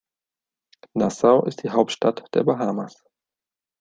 Nassau ist die Hauptstadt der Bahamas.